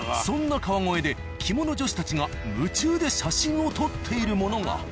そんな川越で着物女子たちが夢中で写真を撮っているものが。